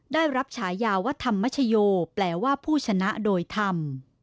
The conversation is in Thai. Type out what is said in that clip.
ได้รับฉายาว่าธรรมชโยแปลว่าผู้ชนะโดยธรรม